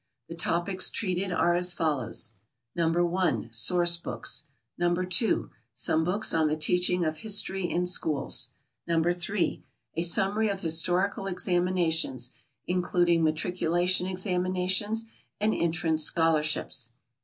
The topics treated are as follows: No. 1. Source books. No. 2. Some Books on the Teaching of History in Schools. No. 3. A Summary of Historical Examinations, including Matriculation Examinations and Entrance Scholarships.